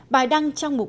bài đăng trong mục